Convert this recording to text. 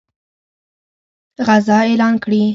غزا اعلان کړي.